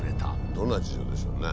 どんな事情でしょうね。